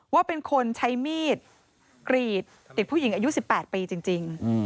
ว่าเป็นคนใช้มีดกรีดเด็กผู้หญิงอายุ๑๘ปีจริง